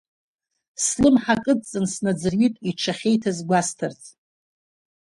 Слымҳа кыдҵаны снаӡырҩит, иҽахьеиҭаз гәасҭарц.